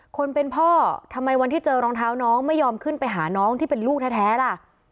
คนเป็นพ่อทำไมวันที่เจอรองเท้าน้องไม่ยอมขึ้นไปหาน้องที่เป็นลูกแท้ล่ะ